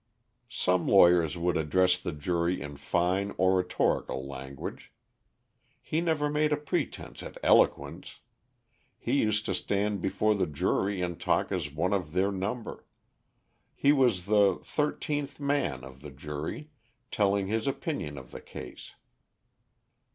Some lawyers would address the jury in fine, oratorical language. He never made a pretense at eloquence. He used to stand before the jury and talk as one of their number: he was the "thirteenth man" of the jury telling his opinion of the case.